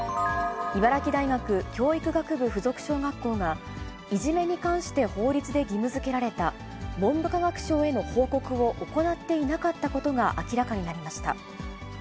茨城大学教育学部附属小学校が、いじめに関して法律で義務づけられた、文部科学省への報告を行っていなかったことが明らかになりました。